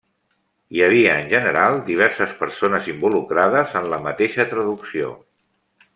Hi havia en general diverses persones involucrades en la mateixa traducció.